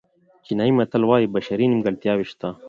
چینایي متل وایي بشري نیمګړتیاوې شته.